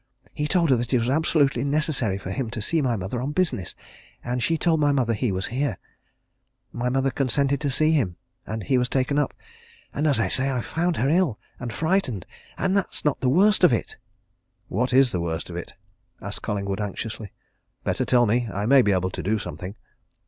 He told her that it was absolutely necessary for him to see my mother on business, and she told my mother he was there. My mother consented to see him and he was taken up. And as I say, I found her ill and frightened and that's not the worst of it!" "What is the worst of it?" asked Collingwood, anxiously. "Better tell me! I may be able to do something."